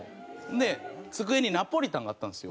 机にナポリタンがあったんですよ。